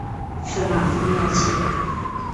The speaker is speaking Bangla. সোনা, আমি আছি!